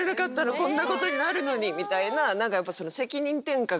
こんなことになるのにみたいな。